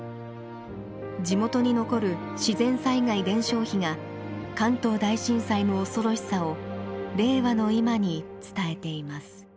地元に残る自然災害伝承碑が関東大震災の恐ろしさを令和の今に伝えています。